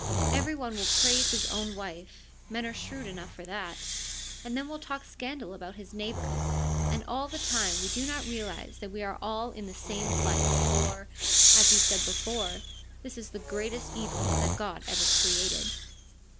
Every one will praise his own wife — men are shrewd enough for that — and then will talk scandal about his neighbour's, and all the time we do not realise that we are all in the same plight, for, as we said before, this is the greatest evil that God ever created.